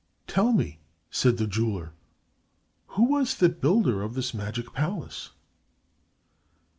"Tell me," said the jeweler, "who was the builder of this magic palace."